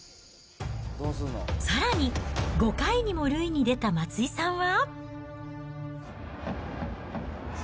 さらに５回にも塁に出た松井さんは。